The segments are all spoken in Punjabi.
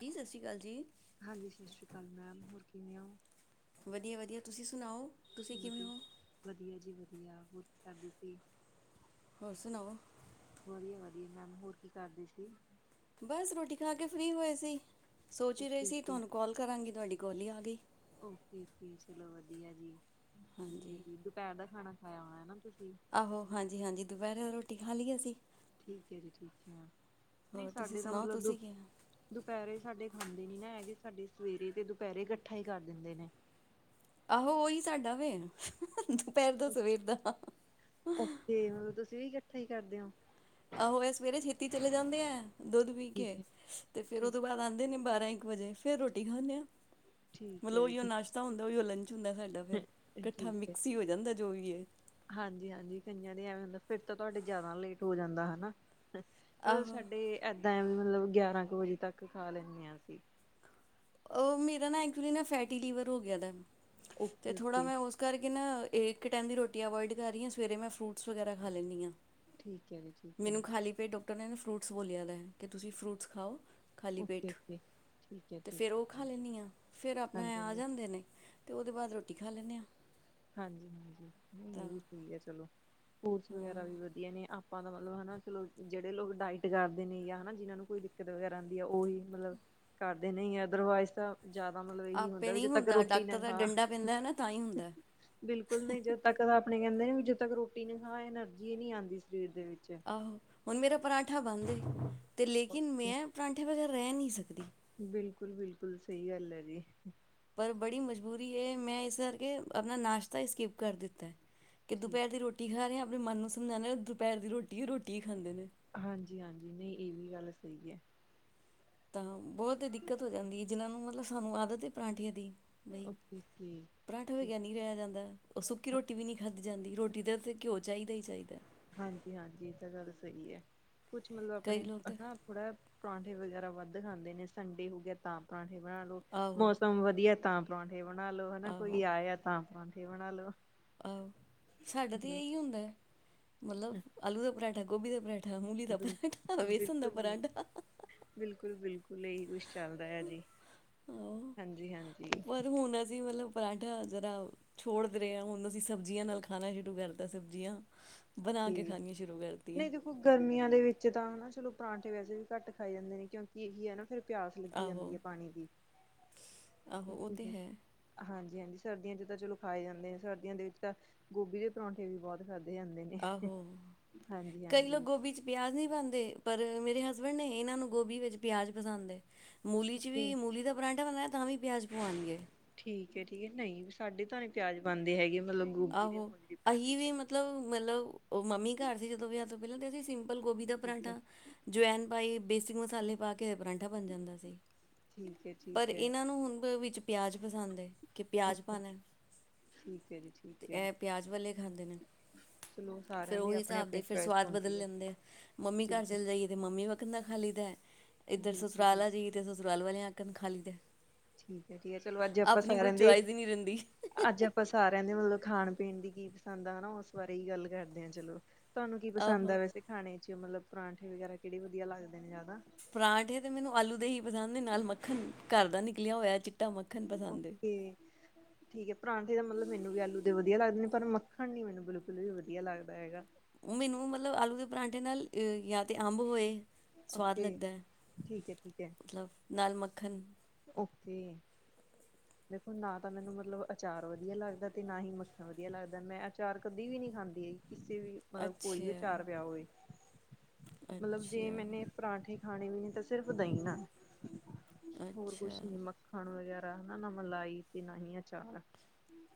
ਜੀ, ਸਤਿ ਸ਼੍ਰੀ ਅਕਾਲ ਜੀ। ਹਾਂਜੀ, ਸਤਿ ਸ਼੍ਰੀ ਅਕਾਲ ਮੈਮ। ਹੋਰ ਕਿਵੇ ਹੋ? ਵਧੀਆ-ਵਧੀਆ। ਤੁਸੀਂ ਸੁਣਾਓ? ਤੁਸੀਂ ਕਿਵੇਂ ਵਧੀਆ, ਹੋ ਵਧੀਆ ਜੀ। ਜੀ ਵਧੀਆ। ਹੋਰ ਕੀ ਕਰਦੇ ਸੀ? ਹੋਰ ਸੁਣਾਓ? ਵਧੀਆ-ਵਧੀਆ ਮੈਮ। ਹੋਰ ਕੀ ਕਰਦੀ ਸੀ? ਬਸ, ਰੋਟੀ ਖਾ ਕੇ ਫ੍ਰੀ ਹੋਏ ਸੀ। ਸੋਚ ਹੀ ਰਹੇ ਓਕੇ ਸੀ, ਤੁਹਾਨੂੰ ਕਾਲ ਕਰਾਂਗੀ। ਤੁਹਾਡੀ ਕੋਲ ਹੀ, ਆ ਗਈ। ਔਕੇ- ਔਕੇ, ਚਲੋ ਵਧੀਆ ਜੀ। ਹਾਂਜੀ ਦੁ- ਦੁਪਹਿਰ ਦਾ ਖਾਣਾ ਖਾਇਆ ਹੋਣਾ ਨਾ ਤੁਸੀਂ। ਆਹੋ, ਹਾਂਜੀ-ਹਾਂਜੀ। ਦੁਪਹਿਰੇ ਰੋਟੀ ਰੋਟੀ ਖਾ ਲਈ ਅਸੀਂ। ਠੀਕ ਹੈ ਜੀ, ਠੀਕ ਕਿਹਾ ਨਹੀਂ ਹੋਰ ਤੁਸੀਂ ਸਾਡੇ ਤਾਂ ਸੁਣਾਓ ਮਤਲਬ ਤੁਸੀਂ ਕੀ ਦੁ-ਦੁਪਹਿਰੇ ਸਾਡੇ ਖਾਂਦੇ ਨੀ ਨਾ ਹੈਗੇ ਸਾਡੇ। ਸਵੇਰੇ ਤੇ ਦੁਪਹਿਰੇ ਇਕੱਠਾ ਹੀ ਕਰ ਦਿੰਦੇ ਨੇ। ਆਹੋ, ਉਹੀ ਸਾਡਾ ਵੇ ਦੁਪਹਿਰ ਦਾ, ਸਵੇਰ ਦਾ। ਕੀ ਕਰਦੇ ਹੋ। ਆਹੋ, ਇਹ ਸਵੇਰੇ ਛੇਤੀ ਚਲੇ ਜਾਂਦੇ ਐ। ਦੁੱਧ ਪੀ ਠੀਕ ਕੇ। ਹੈ ਤੇ ਫੇਰ ਉਹ ਠੀਕ ਤੋਂ ਬਾਅਦ ਆਉਂਦੇ ਨੇ ਬਾਰਾਂ-ਇੱਕ ਇੱਕ ਵਜੇ, ਫੇਰ ਰੋਟੀ ਖਾਨੇ ਆ। ਠੀਕ ਮਤਲਬ ਹੈ ਜੀ ਉਹੀਓ ਨਾਸ਼ਤਾ ਹੁੰਦਾ, ਉਹੀਓ ਲੰਚ। ਹੁੰਦਾ ਸਾਡਾ ਫਿਰ, ਠੀਕ ਇਕੱਠਾ ਠੀਕ ਹੈ ਮਿਕਸ ਹੀ ਹੋ ਜਾਂਦਾ ਜੋ ਵੀ ਹੈ। ਹਾਂਜੀ-ਹਾਂਜੀ ਕਈਆਂ ਦੇ ਐਵੇਂ ਹੁੰਦਾ ਫਿਰ ਤਾਂ ਤੁਹਾਡੇ ਜ਼ਿਆਦਾ ਲੇਟ ਹੋ ਜਾਂਦਾ, ਹਨਾ। ਮਤਲਬ ਆਹੋ ਸਾਡੇ ਐਦ ਟਾਈਮ ਮਤਲਬ, ਗਿਆਰਾਂ ਕੁ ਵਜੇ ਤੱਕ ਖਾ ਲੈਂਦੇ ਹਾਂ ਅਸੀਂ। ਉਹ ਮੇਰਾ ਨਾ ਐਕਚੁਲੀ ਨਾ, ਫੈਟੀ ਲੀਵਰ ਹੋ ਗਿਆ ਦਾ। ਤੇ ਥੋੜਾ ਓਕੇ-ਓਕੇ ਮੈਂ, ਉਸ ਕਰਕੇ ਨਾ। ਏ ਇੱਕ ਟਾਈਮ ਦੀ ਰੋਟੀ ਅਵੋਇਡ ਕਰ ਲੈਣੀ ਆ, ਸਵੇਰੇ ਮੈਂ ਫਰੂਟਸ ਵਗੈਰਾ ਖਾ ਲੈਣੀ ਆ। ਠੀਕ ਐ ਜੀ ਠੀਕ ਐ ਮੈਨੂੰ ਖਾਲੀ ਪੇਟ ਡਾਕਟਰ ਨੇ ਫਰੂਟਸ ਬੋਲਿਆ ਦਾ, ਕਿ ਤੁਸੀਂ ਫਰੂਟਸ ਖਾਉ। ਓਕੇ, ਓਕੇ ਠੀਕ ਐ। ਅਤੇ ਠੀਕ ਫਿਰ ਉਹ ਖਾ ਲੈਣੀ ਆ, ਫਿਰ ਆਪਣੇ ਆ ਹਾਂਜੀ-ਹਾਂਜੀ, ਜਾਂਦੇ ਨੇ। ਅਤੇ ਉਹਦੇ ਬਾਅਦ ਰੋਟੀ ਖਾ ਲੈਣੇ ਆ। ਹਾਂਜੀ ਹਾਂਜੀ। ਨਹੀਂ, ਇਹ ਵੀ ਠੀਕ ਹੈ ਚਲੋ। ਓਟਸ ਹਾਂ ਵਗੈਰਾ ਵੀ ਵਧੀਆ ਨੇ ਆ ਆਪਾਂ ਦਾ ਮਤਲਬ ਹਨਾ, ਜਿਹੜੇ ਲੋਕ ਡਾਇਟ ਕਰਦੇ ਨੇ ਜਾਂ ਹਨਾ ਜਿਹਨਾਂ ਨੂੰ ਕੋਈ ਦਿੱਕਤ ਵਗੈਰਾ ਆਉਂਦੀ ਆ, ਉਹੀ ਮਤਲਬ ਕਰਦੇ ਨਹੀਂ ਆ, ਅਦਰਵਾਈਜ਼ ਤਾਂ ਜ਼ਿਆਦਾ ਮਤਲਬ ਇਹੀ ਆਪੇ ਵੀ ਨਹੀਂ ਜਦ ਤੱਕ ਹੁੰਦਾ, ਰੋਟੀ ਨਾ ਡਾਕਟਰ ਦਾ ਖਾ ਡੰਡਾ ਪੈਂਦਾ ਨਾ ਤਾਂ ਹੀ ਹੁੰਦਾ। ਬਿਲਕੁਲ ਨਹੀਂ ਜਦ ਤੱਕ ਆਪਣੇ ਕਹਿੰਦੇ ਨੇ ਵੀ ਜਦੋਂ ਤੱਕ ਰੋਟੀ ਨਾ ਖਾਏ, ਐਨਰਜੀ ਨਹੀਂ ਆਉਂਦੀ ਸਰੀਰ ਦੇ ਵਿੱਚ। ਆਹੋ, ਹੁਣ ਮੇਰਾ ਪਰਾਂਠਾ ਬੰਦ ਏ ਤੇ ਲੇਕਿਨ ਓਕੇ। ਮੈਂ ਪਰਾਂਠੇ ਵਗੈਰਾ ਰਹਿ ਨਹੀਂ ਸਕਦੀ। ਬਿਲਕੁਲ, ਬਿਲਕੁਲ, ਸਹੀ ਗੱਲ ਐ ਜੀ। ਪਰ ਬੜੀ ਮਜ਼ਬੂਰੀ ਏ, ਮੈਂ ਇਸ ਕਰਕੇ ਆਪਣਾ ਨਾਸ਼ਤਾ ਹੀ ਸਕਿਪ ਕਰ ਦਿੱਤਾ ਐ। ਕੇ ਠੀਕ, ਦੁਪਹਿਰ ਦੀ ਰੋਟੀ ਖਾ ਰਹੇ ਆ ਆਪਣੇ ਮਨ ਨੂੰ ਸਮਝਾਂਦੇ ਆ, ਦੁਪਹਿਰ ਦੀ ਰੋਟੀ ਹੀ ਰੋਟੀ ਹੀ ਖਾਂਦੇ ਨੇ। ਹਾਂਜੀ, ਹਾਂਜੀ, ਨਹੀਂ ਇਹ ਵੀ ਗੱਲ ਸਹੀ ਏ। ਤਾਂ ਬਹੁਤ ਦਿੱਕਤ ਹੋ ਜਾਂਦੀ ਏ, ਜਿਨ੍ਹਾਂ ਨੂੰ ਮਤਲ ਸਾਨੂੰ ਆਦਤ ਏ, ਪਰਾਂਠੀਆਂ ਦੀ ਨਹੀ, ਬਈ ਓਕੇ। ਠੀਕ ਪਰਾਂਠਾ ਬਗੈਰ ਨਹੀਂ ਰਹਿ ਜਾਂਦਾ, ਉਹ ਸੁੱਕੀ ਰੋਟੀ ਵੀ ਨਹੀਂ ਖਾਧੀ ਜਾਂਦੀ, ਰੋਟੀ ਦਾ ਤੇ ਘਿਓ ਚਾਹੀਦਾ ਹੀ ਚਾਹੀਦਾ। ਹਾਂਜੀ, ਹਾਂਜੀ ਇਹ ਤਾਂ ਗੱਲ ਸਹੀ ਐ। ਕੁਛ ਮਤਲਬ ਕਈ ਆਪਣੇ ਲੋਕ ਤਾਂ ਹਨਾ ਥੋੜਾ ਪਰਾਂਠੇ ਵਗੈਰਾ ਵੱਧ ਖਾਂਦੇ ਨੇ, ਸੰਡੇ ਹੋ ਗਿਆ ਤਾਂ ਪਰਾਂਠੇ ਬਣਾ ਲਓ, ਆਹੋ ਮੌਸਮ ਵਧੀਆ ਤਾਂ ਪਰਾਂਠੇ ਬਣਾ ਲਓ, ਹਨਾ ਕੋਈ ਆਹੋ ਆਇਆ ਤਾਂ ਪਾ ਪਰਾਂਠੇ ਬਣਾ ਲੋ। ਆਹੋ ਸਾਡਾ ਤੇ ਹੂੰ ਇਹੀ ਹੁੰਦਾ ਐ। ਮਤਲਬ ਆਲੂ ਤੇ ਬਰੈਡ ਗੋਭੀ ਦੇ ਬਰੈਡ ਮੂਲੀ ਦਾ ਬਿਲਕੁਲ। ਪਰਾਂਠਾ, ਵੇਸਣ ਦਾ ਬਿਲਕੁਲ ਪਰਾਂਠਾ। ਕੁੁ ਲਈ ਕੁਛ ਚੱਲਦਾ ਆ ਜੀ ਆਹੋ ਹਾਂਜੀ, ਹਾਂਜੀ। ਪਰ ਹੁਣ ਅਸੀਂ ਮਤਲਬ ਪਰਾਂਠਾ ਜਰਾ ਛੋੜਦੇ ਰਹੇ ਹਾਂ, ਹੁਣ ਅਸੀਂ ਸਬਜ਼ੀਆਂ ਨਾਲ ਖਾਣਾ ਸ਼ੁਰੂ ਕਰਤਾ ਸਬਜ਼ੀਆਂ ਬਣਾ ਕੇ ਠੀ ਖਾਣੀਆਂ ਸ਼ੁਰੂ ਕਰਤੀਆਂ ਨਹੀਂ ਦੇਖੋ ਗਰਮੀਆਂ ਦੇ ਵਿੱਚ ਤਾਂ ਹਨਾ ਚਲੋ ਪਰਾਂਠੇ ਵੈਸੇ ਵੀ ਘੱਟ ਖਾਏ ਜਾਂਦੇ ਨੇ ਕਿਉਂਕ ਇਹੀ ਹੈ ਨਾ ਫਿਰ ਪਿਆਸ ਲੱਗੀ ਜਾਂਦੀ ਹੈ ਆਹੋ ਪਾਣੀ ਦੀ, ਆਹੋ ਉਹ ਤੇ ਹੈ ਹਾਂਜੀ। ਹਾਂਜੀ ਸਰਦੀਆਂ ਚ ਤਾਂ ਚਲੋ ਖਾਏ ਜਾਂਦੇ ਆ, ਸਰਦੀਆਂ ਦੇ ਵਿੱਚ ਤਾਂ ਗੋਭੀ ਦੇ ਪਰੌਠੇ ਵੀ ਬਹੁਤ ਖਾਧੇ ਜਾਂਦੇ ਨੇ। ਆਹੋ ਹਾਂਜੀ ਕਈ ਲੋਕ ਹਾਂਜੀ। ਗੋਭੀ ਚ ਪਿਆਜ ਨੀ ਪਾਂਦੇ। ਦੇ ਪਰ ਮੇਰੇ ਹਸਬੈਂਡ ਨੇ ਇਹਨਾਂ ਨੂੰ ਗੋਭੀ ਵਿੱਚ ਪਿਆਜ ਪਸੰਦ ਏ। ਮੂਲੀ ਚ ਵੀ ਮੂਲੀ ਦਾ ਪਰਾਂਡਾ ਬਣਾਇ ਤਾਂ ਵੀ ਪਿਆਜ ਪਵਾਣਗੇ। ਠੀਕ ਏ ਠੀਕ ਏ, ਨਹੀਂ ਸਾਡੇ ਤਾਂ ਨੀ ਪਿਆਜ ਬਣਦੇ ਹੈਗੇ। ਮਤਲਬ ਗੋਭੀ ਦੇ ਆਹੋ, ਮੂਲੀ ਦੇ ਪਰਾਂਠੇ ਅਸੀਂ ਚ। ਵੀ ਮਤਲਬ-ਮਤਲਬ ਉਹ ਮੰਮੀ ਘਰ [unintelligible] ਪਹਿਲਾਂ [unintelligible] ਗੋਭੀ ਦਾ ਠੀਕ ਹੈ। ਪਰਾਂਠਾ ਜਵੈਨ ਪਾਈ। ਬੇਸਿਕ ਮਸਾਲੇ ਪਾ ਕੇ ਪਰਾਂਠਾ ਬਣ ਜਾਂਦਾ ਸੀ, ਠੀਕ ਹੈ ਪਰ ਠੀਕ ਹੈ। ਇਹਨਾਂ ਨੂੰ ਹੁਣ ਵਿੱਚ ਪਿਆਜ਼ ਪਸੰਦ ਦੇ ਕਿ ਪਿਆਜ਼ ਓਕੇ। ਪਾਣੇ ਨੇ। ਠੀਕ ਹੈ ਜੀ ਤੇ ਠੀਕ ਹੈ ਇਹ ਪਿਆਜ ਵਾਲੇ ਖਾਂਦੇ ਨੇ ਚਲੋ ਫੇਰ ਸਾਰਿਆਂ ਦੀ ਉਹੀ ਆਪਣੀ ਹਿਸਾਬ ਆਪਣੀ ਦਾ ਫਿਰ ਚੋਇਸ ਸਵਾਦ ਬਦਲ ਹੁੰਦੀ ਹੈ। ਲੈਂਦੇ ਮੰਮੀ ਘਰ ਬਿਲਕੁਲ। ਚਲੇ ਜਾਈਏ ਤੇ ਮੰਮੀ ਵਾਲਾ ਕਿਦਾ ਖ ਖਾ ਲੀ ਦਾ। ਇੱਧਰ ਬਿਲਕੁਲ ਬਿਲਕੁਲ ਸੂਸਰਾਲਾ ਜੀ ਤੇ ਸੂਸਰਾਲ ਵਾਲਿਆਂ। [unintelligible] ਖਾਲੀ ਦੇ। ਠੀਕ ਹੈ, ਠੀਕ ਹੈ ਚਲੋ ਅੱਜ ਆਪਾਂ ਸਾਰਿਆ ਚੁਆਇਸ ਹੀ ਨਹੀਂ ਰਹਿੰਦੀ ਅੱਜ ਆਪਾਂ ਸਾਰਿਆਂ ਦੇ ਮਤਲਬ ਖਾਣ ਪੀਣ ਦੀ ਕੀ ਪਸੰਦ ਆ ਨਾ ਉਸ ਬਾਰੇ ਹੀ ਗੱਲ ਕਰਦੇ ਆ ਚਲੋ। ਤੁਹਾਨੂੰ ਕੀ ਪਸੰਦ ਆਹੋ ਆ ਵੈਸੇ ਖਾਣੇ ਚ, ਮਤਲਬ ਪਰਾਂਠੇ ਵਗੈਰਾ ਕਿਹੜੇ ਵਧੀਆ ਲੱਗਦੇ ਨੇ ਜਿਆਦਾ। ਪਰਾਂਠੇ ਤੇ ਮੈਨੂੰ ਆਲੂ ਦੇ ਹੀ ਪਸੰਦ ਨੇ ਨਾਲ ਮੱਖਣ ਘਰ ਦਾ ਨਿਕਲਿਆ ਹੋਇਆ ਚ। ਓਕੇ, ਠੀਕ ਹੈ ਪਰਾਂਠੇ ਦਾ ਮਤਲਬ ਮੈਨੂੰ ਵੀ ਆਲੂ ਦੇ ਵਧੀਆ ਲੱਗਦੇ ਨੇ ਪਰ ਮੱਖਣ ਨੀ ਮੈਨੂੰ ਬਿਲਕੁਲ ਵੀ ਵਧੀਆ ਲੱਗਦਾ ਹੈਗਾ। ਮੈਨੂੰ ਮਤਲਬ ਆਲੂ ਦੇ ਪਰਾਂਠੇ ਨਾਲ ਜਾ ਤੇ ਅੰਬ ਹੋਏ। ਸਵਾਦ ਓਕੇ ਲੱਗਦਾ ਏ ਠੀਕ ਹੈ ਠੀਕ ਹੈ ਮਤਲਬ ਨਾਲ ਮੱਖਣ। ਓਕੇ ਦੇਖੋ ਨਾ, ਤਾਂ ਮੈਨੂੰ ਮਤਲਬ ਅਚਾਰ ਵਧੀਆ ਲੱਗਦਾ ਤੇ ਨਾ ਹੀ ਮੱਖਣ ਵਧੀਆ ਲੱਗਦਾ ਮੈਂ ਅਚਾਰ ਕਦੇ ਵੀ ਨਹੀਂ ਖਾਂਦੀ ਕਿਸੇ ਵੀ ਮਤਲਬ ਕੋਈ ਵੀ ਅੱਛਾ ਚਾਰ ਪਿਆ ਹੋਵੇ। ਮਤਲਵ ਜੇ ਅੱਛਾ ਮੈਨੇ ਪਰਾਠੇ ਖਾਣੇ ਵੀ ਨੇ, ਸਿਰਫ ਦਹੀਂ ਨਾਲ, ਹੋਰ ਅੱਛਾ ਕੁਛ ਨੀ ਮੱਖਣ ਵਗੈਰਾ ਨਾ ਮਲਾਈ ਤੇ, ਨਾ ਹੀ ਅਚਾਰ।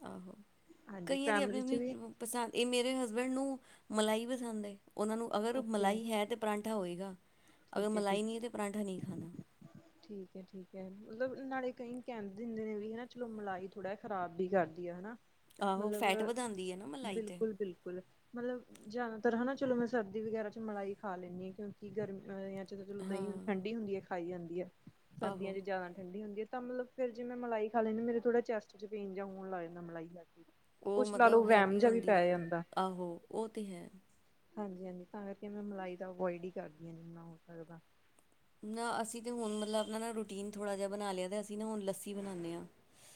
ਆਹੋ, ਹਾਂਜੀ ਕਈਆਂ ਦੀ ਫੈਮਿਲੀ ਚ ਵੀ ਅਪਣੀ-ਅਪਣੀ ਪਸੰਦ ਇਹ ਮੇਰੇ ਹਸਬੈਂਡ ਨੂੰ ਮਲਾਈ ਪਸੰਦ ਏ। ਉਹਨਾਂ ਨੂੰ ਅਗਰ ਓਕੇ ਮਲਾਈ ਹੈ ਤੇ ਪਰਾਂ ਤ ਹੋਏਗਾ। ਅਗਰ ਠੀਕ ਹੈ ਮਲਾਈ ਨਹੀਂ ਤਾਂ ਪਰਾਂਠਾ ਨਹੀਂ ਖਾਣਾ ਠੀਕ-ਠੀਕ ਹੈ, ਠੀਕ ਹੈ, ਮਤਲਬ। ਨਾਲੇ ਕਈ ਕਹਿ ਦਿੰਦੇ ਨੇ ਵੀ, ਹਨਾ ਚਲੋ ਮਲਾਈ ਥੋੜਾ ਖ਼ਰਾਬ ਵੀ ਕਰਦੀ ਆ, ਹਨਾ। ਆਹੋ ਮਤਲਬ ਫੈਟ ਵਧਾਂਦੀ ਹੈ ਨਾ ਮਲਾਈ ਤੇ। ਮਤਲਵ, ਜਿਆਦਾਤਰ ਹਨਾ। ਚਲੋ ਮੈਂ ਸਰਦੀ ਵਗੈਰਾ ਚ ਮਲਾਈ ਖਾ ਲੈਂਨੀ ਹਾਂ ਕਿਉਂਕਿ ਗਰਮੀ ਅਯਾਂ ਚਲੋ, ਚਲੋ, ਹਾਂ ਦਹੀਂ ਠੰਡੀ ਹੁੰਦੀ ਹੈ ਖਾਈ ਜਾਂਦੀ ਏ। ਸਰਦੀਆਂ ਚ ਆਹੋ ਜਿਆਦਾ ਠੰਢੀ ਹੁੰਦੀ ਤਾਂ ਮਤਲਵ, ਫੇਰ ਜੇ ਮੈਂ ਮਲਾਈ ਖਾ ਲੈਂਨੀ, ਮੇਰੇ ਥੋੜਾ ਚੈਸਟ ਚ ਪੇਨ ਜਾ ਹੋਣ ਲਗ ਜਾਂਦਾ, ਮਲਾਈ ਲੇਕੇ ਉਹ ਮਤਲਬ ਹੈਵੀ ਹੁੰਦੀ ਹੈ। ਜਾਂਦਾ ਆਹੋ, ਉਹ ਤੇ ਹੈ। ਹਾਂਜੀ, ਹਾਂਜੀ, ਤਾਂ ਕਰਕੇ ਮੈਂ ਮਲਾਈ ਦਾ ਅਵੋਇਡ ਹੀ ਕਰਦੀ ਆ ਜਿੰਨਾ ਹੋ ਸਕਦਾ। ਨਾ, ਅਸੀਂ ਤੇ ਹੁਣ ਮਤਲਵ ਅਪਣਾ ਰੂਟੀਨ ਥੋੜਾ ਜਿਹਾ ਬਣਾ ਲਿਆ ਤੇ ਅਸੀਂ ਨਾ, ਹੁਣ ਲੱਸੀ ਬਣਾਨੇ ਆ।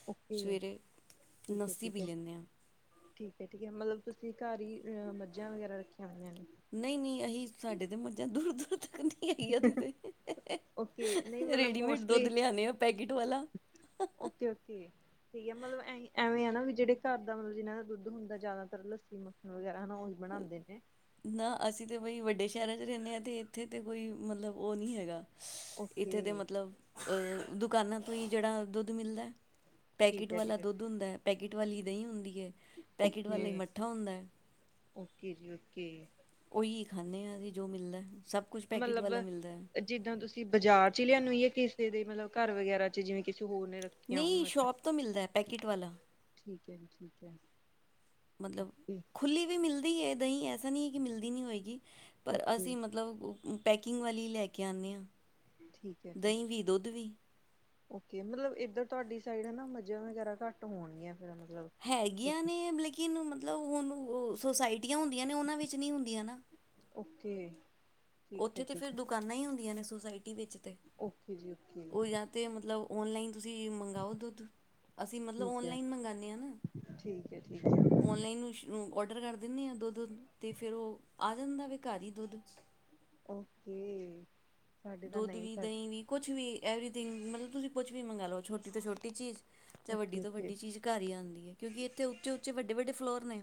ਓਕੇ ਸਵੇਰੇ ਲੱਸੀ ਪੀ ਲੈਂਨੇ ਆ। ਤੇ ਠੀਕ ਹੈ। ਮਤਲਬ ਤੁਸੀਂ ਘਰ ਹੀ ਅ ਮੱਝਾਂ ਵਗੈਰਾ ਰੱਖੀਆਂ ਹੋਈਆਂ ਨੇ ਨਹੀਂ ਨਹੀਂ ਅਸੀਂ ਸਾਡੇ ਤੇ ਮੱਝਾਂ ਦੂਰ ਦੂਰ ਤੱਕ ਨਹੀਂ ਹੈਗੀਆਂ ਦੀ ਤੇ ਓਕੇ। ਨਹੀਂ ਮਤਲਬ ਰੇਡੀਮੇਡ ਦੁੱਧ ਮੋਸਟਲੀ, ਲਿਆਣੇ ਆ ਪੈਕਟ ਵਾਲਾ ਓਕੇ, ਓਕੇ, ਠੀਕ ਹੈ। ਮਤਲਵ ਵੇਂ ਹਨ ਨਾ, ਵੀ ਜਿਹੜੇ ਘਰ ਦਾ ਜਿਹਨਾਂ ਦਾ ਦੁੱਧ ਹੁੰਦਾ, ਜ਼ਿਆਦਾਤਰ ਲੱਸੀ ਮੱਖਣ ਵਗੈਰਾ ਹਨਾ ਉਹੀ ਬਣਾਂਦੇ ਨੇ। ਨਾ, ਅਸੀਂ ਤਾਂ ਬਈ ਵੱਡੇ ਸ਼ਹਿਰਾਂ 'ਚ ਰਹਿੰਨੇ ਹਾਂ ਅਤੇ ਇੱਥੇ ਤਾਂ ਕੋਈ ਮਤਲਬ ਉਹ ਨਹੀਂ ਹੈਗਾ। ਇੱਥੇ ਦੇ ਓਕੇ ਮਤਲਬ ਦੁਕਾਨਾਂ ਤੋਂ ਹੀ ਜਿਹੜਾ ਦੁੱਧ ਮਿਲਦਾ ਪੈਕੇਟ ਠੀਕ ਹੈ ਵਾਲਾ ਠੀਕ ਦੁੱਧ ਹੁੰਦਾ ਹੈ। ਪੈਕਟ ਵਾਲੀ ਦਹੀਂ ਹੁੰਦੀ। ਏ। ਪੈਕੇਟ ਵਾਲਾ ਈ ਓਕੇ ਮੱਠਾ ਹੁੰਦਾ। ਓਕੇ ਜੀ ਓਕੇ ਫਰੀ ਖਾਂਦੇ ਹਾਂ ਜੀ ਜੋ ਮਿਲਦਾ। ਸਭ ਕੁਝ ਪੈਕੇਟ ਮਤਲਬ ਵਾਲਾ ਮਿਲਦਾ ਹੈ ਜਿੱਦਾਂ ਤੁਸੀਂ ਬਾਜ਼ਾਰ ਚ ਲਿਆਨ ਹੈ ਕਿਸੇ ਦੇ ਮਤਲਬ [inaudible] ਘਰ ਵਗੈਰਾ ਚ ਜਿਵੇਂ ਕਿ ਨਹੀਂ ਸ਼ੋਪ ਤੋਂ ਮਿਲਦਾ ਪੈਕਟ ਵਾਲਾ। ਠੀਕ ਹੈ। ਮਤਲਬ ਖੁੱਲੀ ਵੀ ਮਿਲਦੀ ਹੈ। ਦਹੀਂ ਐਸਾ ਨਹੀਂ ਹੈ ਕਿ ਮਿਲਦੀ ਨਹੀਂ ਹੋਏਗੀ। ਪਰ ਓਕੇ ਅਸੀਂ ਮਤਲਬ- ਪੈਕਿੰਗ ਵਾਲੀ ਲੈ ਕੇ ਆਉਂਦੇ ਹਾਂ। ਠੀਕ ਹੈ ਜੀ ਦਹੀਂ ਵੀ, ਦੁੱਧ ਵੀ। ਓਕੇ, ਮਤਲਬ ਇੱਧਰ ਤੁਹਾਡੀ ਸਾਈਡ ਹੈ ਨਾ ਮੱਝਾਂ ਵਗੈਰਾ ਘੱਟ ਹੋਣਗੀਆਂ। ਫਿਰ ਮਤਲਬ ਹੈਗੀਆਂ ਨੇ, ਲੇਕਿਨ ਮਤਲਬ ਹੁਣ ਉਹ ਸੁੋਸਾਇਟੀਆਂ ਹੁੰਦੀਆਂ ਨੇ ਉਹਨਾਂ ਵਿੱਚ ਨਹੀਂ ਹੁੰਦੀਆਂ ਨਾ। ਓਕੇ। ਠੀਕ ਹੈ ਉੱਥੇ ਤੇ ਠੀਕ ਫੇਰ ਹੈ ਦੁਕਾਨਾਂ ਹੀ ਹੁੰਦੀਆਂ ਨੇ। ਵਿਚ ਤੇ ਓਕੇ ਜੀ ਓਕੇ ਹੋ ਜਾਂਦੇ ਮਤਲਬ ਔਨਲਾਈਨ। ਤੁਸੀਂ ਮੰਗਵਾਓ ਦੁੱਧ, ਅਸੀਂ ਮਤਲਬ ਠੀਕ ਹੈ ਔਨਲਾਈਨ ਮੰਗਵਾਉਂਦੇ ਹਾਂ ਨਾ, ਠੀਕ ਹੈ ਠੀਕ ਹੈ ਔਨਲਾਈਨ ਇਸਨੂੰ ਆਰਡਰ ਕਰ- ਦਿੰਦੇ ਹਾਂ। ਦੁੱਧ ਤੇ ਫਿਰ ਉਹ ਆ ਜਾਂਦਾ ਵਾ ਘਰ ਹੀ ਦੁੱਧ। ਓਕੇ। ਸਾਡੇ ਤਾਂ ਦੁੱਧ ਨਹੀਂ ਵੀ, ਸਾ ਦਹੀਂ ਵੀ, ਕੁਛ ਵੀ ਐਵਰੀ- ਥਿੰਗ ਮਤਲਬ ਤੁਸੀਂ ਕੁਛ ਵੀ ਮੰਗਾ ਲਓ, ਛੋਟੀ ਤੋਂ ਛੋਟੀ ਚੀਜ਼। ਤੇ ਵੱਡੀ ਓਕੇ ਤੋਂ ਓਕੇ ਵੱਡੀ ਚੀਜ਼ ਘਰ ਹੀ ਆਉਂਦੀ ਏ। ਕਿਉਂਕਿ ਇੱਥੇ ਉੱਚੇ-ਉੱਚੇ ਵੱਡੇ-ਵੱਡੇ ਫਲੋਰ ਨੇ।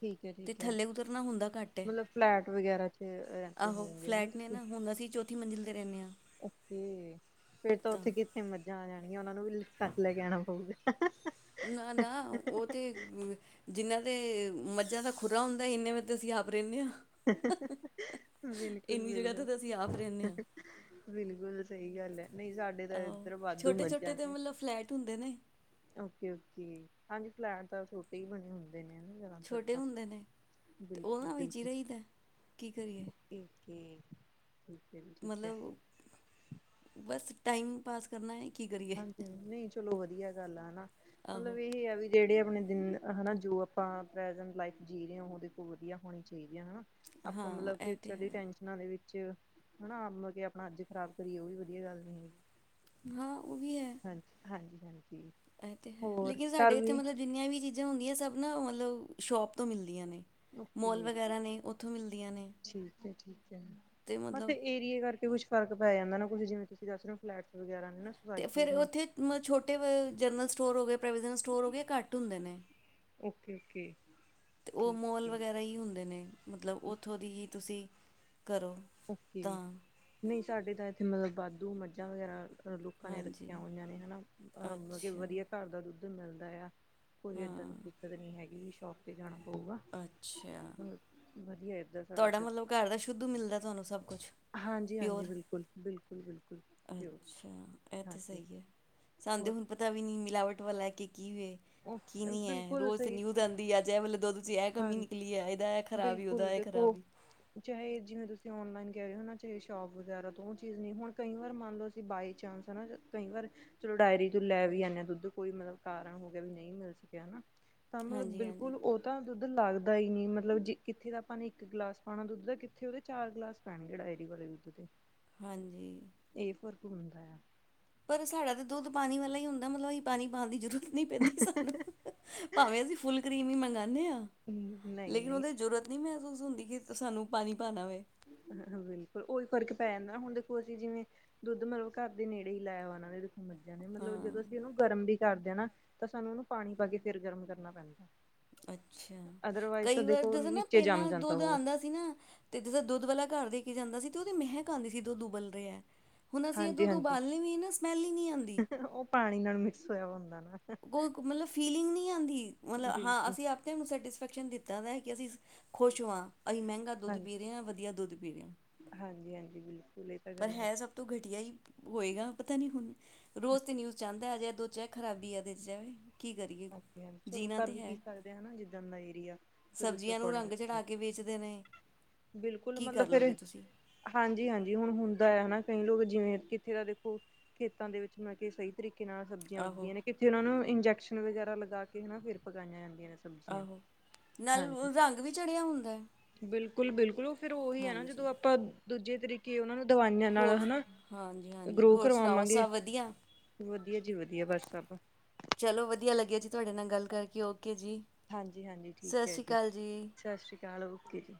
ਠੀਕ ਹੈ, ਅਤੇ ਠੀਕ ਹੈ। ਥੱਲੇ ਉਤਰਨਾ ਹੁੰਦਾ ਘੱਟ ਹੈ ਮਤਲਬ ਫਲੈਟ ਵਗੈਰਾ ਚ ਰਹਿਦੇ ਹੋਵੋਗੇ ਨ ਤੁਸੀ। -ਥੀ ਮੰਜ਼ਿਲ ਤੇ ਰਹਿਦੇ ਹਾਂ। ਓਕੇ, ਫੇਰ ਤਾਂ ਉੱਥੇ ਕਿੱਥੇ ਮੱਝਾਂ ਆ ਜਾਣੀਆ। ਉਹ ਨੂੰ ਵੀ ਚੱਕ ਕੇ ਲੈ ਆਣਾ ਪਊਗਾ। ਨਾ-ਨਾ ਉਹ ਤੇ ਜਿੰਨਾਂ- ਮੱਝਾਂ ਤਾਂ ਖੁਰਾ ਹੁੰਦਾ, ਇੰਨੇ ਵਿੱਚ ਤਾਂ ਅਸੀਂ ਆਪ ਰਹਿੰਦੇ ਹਾਂ। ਬਿਲਕੁਲ, ਇੰਨੀ ਜਗ੍ਹਾ ਤੇ ਬਿਲਕੁਲ, ਤਾਂ ਅਸੀਂ ਆਪ ਰਹਿੰਦੇ ਹਾਂ ਬਿਲਕੁਲ। ਸਹੀ ਗੱਲ ਏ। ਨਹੀਂ, ਸਾਡੇ ਤਾਂ ਆਹੋ ਇਧਰ ਵਾਧੂ ਛੋਟੇ ਮੱਝਾਂ ਛੋਟੇ ਤੇ ਨੇ। ਮਤਲਬ ਫਲੈਟ ਹੁੰਦੇ ਨੇ ਓਕੇ, ਓਕੇ, ਹਾਂਜੀ। ਫਲੈਟ ਤਾਂ ਛੋਟੇ ਹੀ ਬਣੇ ਹੁੰਦੇ। ਨੇ ਨਾ ਜ਼ਿਆਦਾਤਰ ਛੋਟੇ ਤਾਂ ਹੁੰਦੇ ਨੇ ਤੇ ਬਿਲਕੁਲ ਉਹਨਾਂ ਵਿੱਚ। ਬਿਲਕੁਲ ਰਈਦਾ ਕੀ ਕਰੀਏ? ਤੇ। ਮਤਲਬ [unintelligible] ਬਸ। ਟਾਈਮ ਪਾਸ ਕਰਨਾ ਏ। ਹਾਂਜੀ ਹਾਂਜੀ ਨਹੀਂ ਚਲੋ ਵਧੀਆ। ਵਧੀਆ ਗੱਲ ਆ ਹਨਾ। ਮਤਲਬ ਆਹੋ ਇਹੇ ਆ ਵੀ ਜਿਹੜੇ। ਆਪਣੇ ਦਿਨ ਹਨਾ ਜੋ ਆਪਾਂ ਪ੍ਰੇਸੇੰਟ ਲਾਈਫ ਜੀ ਰਹੇ ਹਾਂ ਉਹਦੇ ਤੋਂ ਵਧੀਆ ਹੋਣੀ ਚਾਹੀਦੀ ਹੈ ਹਨਾ। ਆਪਾਂ ਹਾਂ ਮਤਲਬ ਇਹ ਤੇ ਫਿਊਚਰ ਦੀਆਂ ਹੈ ਟੈਨਸ਼ਨਾਂ ਦੇ ਵਿੱਚ। ਵਿੱਚ ਹਨਾ ਆਪ ਆਪਣਾ ਅੱਜ ਖਰਾਬ ਕਰੀਏ ਉਹ ਵੀ ਵਧੀਆ ਗੱਲ ਨੀ ਹੈਗੀ। ਹਾਂ। ਉਹ ਵੀ ਹੈ ਹਾਂਜੀ ਹਾਂਜੀ ਹਾਂਜੀ। ਇਹ ਤੇ ਹੈ ਹੋਰ ਲੇਕਿਨ ਘਰ ਸਾਡੇ ਇੱਥੇ ਵੀ ਮਤਲਬ ਜਿੰਨੀਆਂ ਵੀ ਚੀਜ਼ਾਂ ਹੁੰਦੀਆਂ ਸਭ ਨਾ ਮਤਲਬ। ਮਤਲਬ ਸ਼ੋਪ ਤੋਂ ਮਿਲਦੀਆਂ ਨੇ। ਮੋਲ ੳਕੇ ਵਗੈਰਾ ਨੇ ਉੱਥੋਂ ਮਿਲਦੀਆਂ ਨੇ ਠੀਕ ਹੈ ਠੀਕ ਹੈ ਤੇ ਬਸ ਮਤਲਬ ਏਰੀਏ ਕਰਕੇ ਕੁਛ। ਫਰਕ ਪੈ ਜਾਂਦਾ ਨਾ ਕੁਝ ਜਿਵੇਂ ਤੁਸੀਂ ਦੱਸ ਰਹੇ ਹੋ ਫਲੈਟਸ ਵਗੈਰਾ। ਨੇ ਨਾ ਤੇ ਸੁਸਾਇਟੀਜ਼ ਫਿਰ ਨੇ। ਉੱਥੇ ਮ ਛੋਟੇ ਜਨਰਲ ਸਟੋਰ ਹੋ ਗਏ ਪ੍ਰਵੀਜ਼ਨਲ ਸਟੋਰ ਹੋ ਗਏ ਘੱਟ ਹੁੰਦੇ ਨੇ। ਓਕੇ ਓਕੇ ਤੇ ਉਹ ਠੀਕ ਮੋਲ ਹੈ ਵਗੈਰਾ ਹੀ ਹੁੰਦੇ ਨੇ। ਮਤਲਬ ਉੱਥੋਂ ਦੀ ਤੁਸੀਂ। ਕਰੋ ਓਕੇ। ਤਾਂ। ਨਹੀਂ ਸਾਡੇ ਤਾਂ ਇੱਥੇ ਮਤਲਬ ਵਾਧੂ ਮੱਝਾਂ ਵਗੈਰਾ। ਮਤਲਬ ਲੋਕਾਂ ਨੇ ਹਾਂਜੀ ਰੱਖਿਆ ਹੋਈਆਂ ਨੇ ਹਨਾ ਅਹ ਮਤਲਬ ਕਿ ਅੱਛਾ ਵਧੀਆ ਘਰ ਦਾ ਦੁੱਧ। ਦੁੱਧ ਮਿਲਦਾ ਆ। ਕੋਈ ਹਾਂ ਏਦਾਂ ਦੀ ਦਿੱਕਤ ਨੀ ਹੈਗੀ ਵੀ। ਸ਼ੋਪ ਤੇ ਜਾਣਾ। ਪਊਗਾ ਅੱਛਾ ਹੂੰ ਵਧੀਆ ਇਧਰ। ਤੁਹਾਡਾ ਮਤਲਬ ਘਰ ਦਾ ਸ਼ੁੱਧ ਮਿਲਦਾ। ਤੁਹਾਨੂੰ ਸਭ। ਕੁਛ ਹਾਂਜੀ ਹਾਂਜੀ ਪਿਓਰ ਬਿਲਕੁਲ ਬਿਲਕੁਲ ਬਿਲਕੁਲ ਜ਼ਰੂਰ ਅੱਛਾ ਇਹ ਤੇ ਹਾਂਜੀ ਸਹੀ ਹੈ ਸਾਨੂੰ ਤਾਂ ਹੋਰ ਹੁਣ ਪਤਾ ਵੀ ਨਹੀਂ ਮਿਲਾਵਟ ਵਾਲਾ। ਕਿਵੇਂ ਕਿੰਨੀ ਹੈ ਬਿਲਕੁਲ ਰੋਜ਼ ਤੇ ਸਹੀ ਨਿਊਜ਼ ਆਂਦੀ ਅੱਜ ਇਹ ਵੇਲੇ ਦੁੱਧ 'ਚ ਇਹ ਕਮੀ ਨਿਕਲੀ ਹੈ ਇਹਦਾ ਇਹ ਖਰਾਬ ਉਹਦਾ। ਖਰਾਬ ਉਹ ਹੀ ਚਾਹੇ ਜਿਵੇਂ ਤੁਸੀਂ। ਓ ਨਲਾਈਨ ਕਹਿ ਰਹੇ ਚਾਹੇ ਸ਼ੋਪ ਵਗੈਰਾ ਤੋਂ ਉਹ ਚੀਜ਼ ਨਹੀਂ ਹੁਣ ਕਈ ਵਾਰ ਮੰਨ ਲਓ ਅਸੀਂ ਬਾਈ ਚਾਂਸ ਹਨਾ ਕਈ ਵਾਰ ਚਲੋ ਡਾਇਰੀ ਤੋਂ ਲੈ ਵੀ ਆਦੇ ਹਾਂ ਦੁੱਧ ਕੋਈ ਮਤਲਬ ਕਾਰਨ ਹੋ ਵੀ ਨਹੀਂ ਮਿਲ ਸਕਿਆ ਹਨਾ। ਤਾਂ ਮਤਲਬ ਹਾਂਜੀ ਹਾਂਜੀ ਬਿਲਕੁਲ ਉਹ ਤਾਂ ਦੁੱਧ ਲੱਗਦਾ ਦਾ ਹੀ ਨੀ ਮਤਲਬ ਜ ਕਿੱਥੇ ਦਾ ਆਪਾਂ ਨੇ ਇੱਕ ਗਲਾਸ ਪਾਉਣਾ ਦੁੱਧ ਦਾ ਕਿੱਥੇ ਉਹਦੇ ਚਾਰ ਗਲਾਸ ਪੈਣਗੇ ਡਾਇਰੀ ਵਾਲੇ ਦੁੱਧ ਦੇ ਹਾਂਜੀ ਇਹ ਫ਼ਰਕ ਹੁੰਦਾ ਹੈ ਪਰ ਸਾਡਾ ਤਾਂ ਦੁੱਧ ਪਾਣੀ ਵਾਲਾ ਹੀ ਹੁੰਦਾ ਮਤਲਬ ਹੀ ਪਾਣੀ ਪਾ ਦੀ ਜਰੂਰਤ ਨਹੀਂ ਪੈਂਦੀ ਸਾਨੂੰ ਭਾਵੇਂ ਅਸੀਂ ਫੁੱਲ ਕ੍ਰੀਮੀ ਮੰਗਵਾਉਂਦੇ ਆ ਨਹੀਂ ਨਹੀਂ ਲੇਕਿਨ ਉਹਦੇ ਜ਼ਰੂਰਤ ਨਹੀਂ ਮੈਂ ਮਹਿਸੂਸ ਹੁੰਦੀ ਕਿ ਸਾਨੂੰ ਪਾਣੀ ਪਾਉਣਾ ਵੇ ਹ ਹਾਂ ਬਿਲਕੁਲ ਉਹੀ ਫਰਕ ਪੈ ਜਾਂਦਾ ਹੁਣ ਦੇਖੋ ਅਸੀਂ ਜਿਵੇਂ ਦੁੱਧ ਮਤਲਬ ਘਰ ਦੇ ਨੇੜੇ ਹੀ ਲਾਇਆ ਵਾ ਉਹਨਾਂ ਦੇ ਮੱਝਾਂ ਨੇ ਮਤਲਬ ਜਦੋਂ ਹਾਂ ਅਸੀਂ ਉਹਨ ਗਰਮ ਵੀ ਕਰਦੇ ਆ ਨਾ ਤਾਂ ਸਾਨੂੰ ਉਹਨੂੰ ਪਾਣੀ ਪਾ ਕੇ ਫਿਰ ਗਰਮ ਕਰਨਾ ਪੈਂਦਾ ਕਿਆ ਅੱਛਾ, ਕਈ ਵਾਰ ਜਦੋਂ ਨਾ, ਨੀਚੇ ਜੰਮ ਪਹਿਲਾਂ ਜਾਂਦਾ ਦੁੱਧ ਉਹ ਆਂਦਾ ਸੀ ਨਾ ਤੇ ਜਦੋਂ ਦੁੱਧ ਵਾਲਾ ਘਰ ਦੇ ਕੇ ਜਾਂਦਾ ਸੀ, ਤੇ ਓਦੀ ਮਹਿਕ ਆਂਦੀ ਸੀ। ਦੁਧ ਉਬਲ ਰਿਹਾ ਹੁਣ ਅਸੀਂ ਇਹ ਹਾਂਜੀ, ਦੁੱਧ ਹਾਂਜੀ। ਉਬਾਲਨੇ ਵੀ ਨਾ ਸਮੈਲ ਹੀ ਨਹੀਂ ਆਂਦੀ। ਓ ਪਾਣੀ ਨਾਲ ਮਿਕਸ ਹੋਇਆ ਹੁੰਦਾ ਨਾ ਕੋਈ ਮਤਲਬ ਫੀਲਿੰਗ ਨੀਂ ਆਂਦੀ। ਮਤਲਬ, ਹਾਂ, ਬਿਲਕੁਲ ਅਸੀਂ ਆਪੇ ਓਨੂੰ ਸੈਟਿਸਫੈਕਸ਼ਨ ਦਿਤਾ ਹੈ ਕਿ, ਅਸੀਂ ਖੁਸ਼ ਹੁਆ ਅਹੀ ਮਹਿੰਗਾ ਦੁੱਧ ਹਾਂਜੀ ਪੀ ਰੇ ਹਾਂ, ਵਧੀਆ ਦੁੱਧ ਪੀ ਰੇ ਹਾਂ। ਹਾਂਜੀ ਹਾਂਜੀ ਬਿਲਕੁਲ ਇਹ ਤਾਂ ਪਰ ਗੱਲ ਹੈ ਸਭ ਤੋਂ ਘਟੀਆ ਹੀ -ਹੋਏਗਾ, ਪਤਾ ਨੀ ਹੁਣ, ਰੋਜ਼ ਤੇ ਨਿਊਜ਼ ਚ ਆਊਂਦਾ ਅਜੇ ਦੁੱਧ ਚ, ਏ ਖਰਾਬੀ ਏ [inaudible] ਚਲੋ, ਕਰ ਤੇ ਵੀ ਕੀ ਹੈ ਸਕਦੇ ਹਨਾ। ਜਿੱਦਣ ਦਾ ਏਰੀਆ, ਫਿਰ ਉਸ ਸਬਜ਼ੀਆਂ ਨੂੰ ਐਕੋਰਡਿੰਗ। ਰੰਗ ਚੜਾ ਕੇ ਵੇਚਦੇ ਨੇ ਬਿਲਕੁਲ, ਕੀ ਮਤਲਬ ਕਰ ਲੋਗੇ ਫਿਰ। ਤੁਸੀਂ। ਹਾਂਜੀ, ਹਾਂਜੀ। ਹੁਣ ਹੁੰਦਾ ਐਨਾ, ਕਈ ਲੋਕ ਜਿਵੇਂ ਕਿੱਥੇ ਦਾ ਦੇਖੋ, ਖੇਤਾਂ ਦੇ ਵਿੱਚ ਮੈਂ ਕੇ ਸਹੀ ਤਰੀਕੇ ਕਿ ਨਾਲ ਸਬਜ਼ੀਆਂ ਉੱਗ ਆਹੋ ਦੀਆਂ ਨੇ, ਕਿੱਥੇ ਓਨਾਂ ਨੂੰ [inaudible] ਵਗੈਰਾ ਲਗਾ ਕੇ, ਹਨਾ, ਫੇਰ ਪਕਾਈਆਂ ਜਾਂਦੀਆਂ ਨੇ। ਸਬਜ਼ੀਆਂ ਆਹੋ, ਨਾਲ ਹਾਂਜੀ। [inaudible] ਵੀ ਚੜਿਆ ਹੁੰਦਾ ਹੈ [inaudible] ਫੇਰ ਓਹੀ ਹੈ ਨਾ, ਹਾਂਜੀ ਜਦੋਂ ਅਪਾਂ ਦੂਜੇ ਤਰੀਕੇ ਓਨਾਂ ਨੂੰ ਦਵਾਈਆਂ ਨਾਲ ਹੋਰ ਹਨਾ, ਹਾਂਜੀ ਹਾਂਜੀ ਗ੍ਰੋ ਹੋਰ ਸੁਣਾਓ ਕਰਵਾਵਾਂਗੇ। ਸਭ ਵਧੀਆ ਵਧੀਆ ਜੀ ਵਧੀਆ ਬਸ ਸਭ ਚਲੋ ਵਧੀਆ ਲੱਗਿਆ ਜੀ ਤੁਹਾਡੇ ਨਾਲ ਗੱਲ ਕਰਕੇ, ਓ ਹਾਂਜੀ-ਹਾਂਜੀ ਠੀਕ ਹੈ ਜੀ, ਸਤਿ ਸ੍ਰੀ ਅਕਾਲ ਓਕੇ ਜੀ।